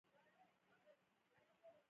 په بل سبا يې په افغانستان کې جګړه اور اخلي.